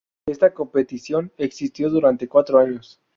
Esta competición existió durante cuatro años.